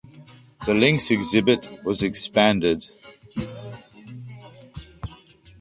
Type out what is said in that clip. The Lynx exhibit was expanded.